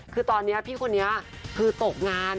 คือตอนนี้พี่คนนี้คือตกงาน